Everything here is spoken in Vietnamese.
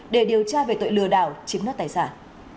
để điều tra về tội lừa đảo chiếm đoạt tài sản